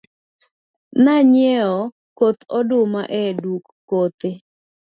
Na nyiewo koth oduma e duka kothe.